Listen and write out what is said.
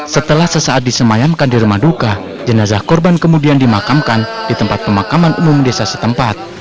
setelah sesaat disemayamkan di rumah duka jenazah korban kemudian dimakamkan di tempat pemakaman umum desa setempat